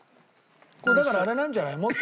だからあれなんじゃない？